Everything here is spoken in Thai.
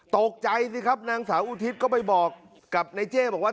ตกใจสิครับนางสาวอุทิศก็ไปบอกกับนายเจ้บอกว่า